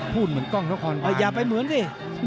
พูดเหมือนกล้องท่อคอร์นวาลค์อย่าไปเหมือนสิ